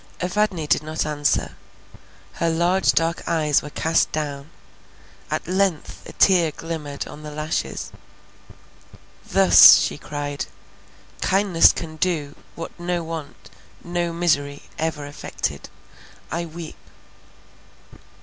Evadne did not answer; her large dark eyes were cast down, at length a tear glimmered on the lashes. "Thus," she cried, "kindness can do, what no want, no misery ever effected; I weep."